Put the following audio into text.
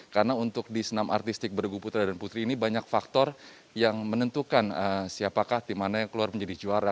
karena untuk di senam artistik beragup putra dan putri ini banyak faktor yang menentukan siapakah timannya keluar menjadi juara